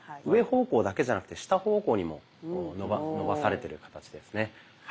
上方向だけじゃなくて下方向にも伸ばされてる形ですね。